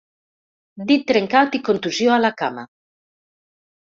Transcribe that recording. Dit trencat i contusió a la cama.